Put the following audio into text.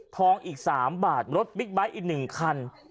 ทองอีก๓บาทรถบิ๊กบ้าท์อีก๑คัน